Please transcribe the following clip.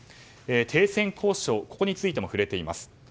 停戦交渉、ここについても触れています。